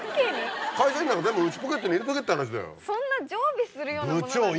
会社員なんか全部内ポケットに入れとけって話だよ。